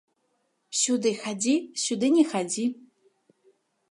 Сюды хадзі, сюды не хадзі.